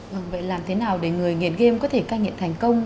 vậy làm thế nào để người nghiện game có thể ca nghiện thành công